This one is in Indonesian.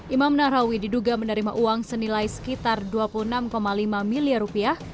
imam nahrawi diduga menerima uang senilai sekitar dua puluh enam lima miliar rupiah